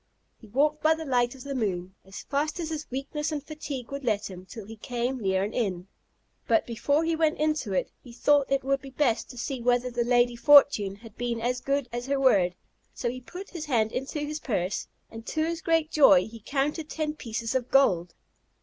He walked by the light of the moon, as fast as his weakness and fatigue would let him, till he came near an inn. But before he went into it, he thought it would be best to see whether the Lady Fortune had been as good as her word; so he put his hand into his purse, and to his great joy he counted ten pieces of gold.